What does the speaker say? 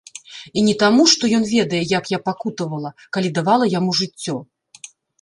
І не таму, што ён ведае, як я пакутавала, калі давала яму жыццё.